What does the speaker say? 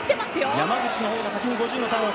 山口のほうが先に５０ｍのターン！